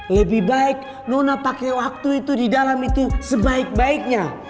lebih baik nona pakai waktu itu di dalam itu sebaik baiknya